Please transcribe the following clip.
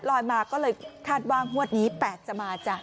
ลอยมาก็เลยคาดว่างวดนี้๘จะมาจ้ะ